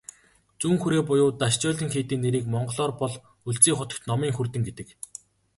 Зүүн хүрээ буюу "Дашчойлин" хийдийн нэрийг монголоор бол "Өлзий хутагт номын хүрдэн" гэдэг.